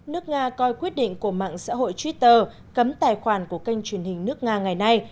nước nga coi quyết định của mạng xã hội twitter cấm tài khoản của kênh truyền hình nước nga ngày nay